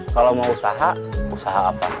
kalau mau usaha usaha apa